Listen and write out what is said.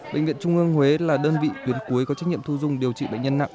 bệnh viện trung ương huế là đơn vị tuyến cuối có trách nhiệm thu dung điều trị bệnh nhân nặng